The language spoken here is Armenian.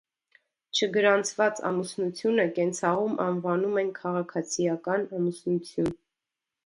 Չգրանցված ամուսնությունը կենցաղում անվանում են քաղաքացիական ամուսնություն։